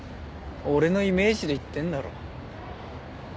俺のイメージで言ってんだろ。